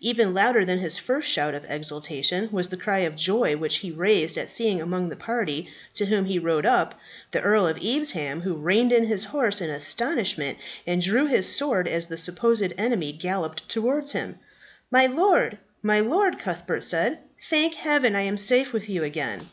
Even louder than his first shout of exultation was the cry of joy which he raised at seeing among the party to whom he rode up, the Earl of Evesham, who reined in his horse in astonishment, and drew his sword as the supposed enemy galloped towards him. "My lord, my lord!" Cuthbert said. "Thank heaven I am safe with you again."